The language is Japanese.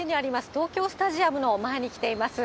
東京スタジアムの前に来ています。